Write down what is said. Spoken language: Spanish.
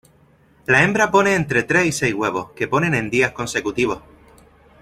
La hembra pone entre tres y seis huevos, que ponen en días consecutivos.